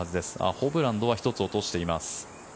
ホブランドは１つ落としています。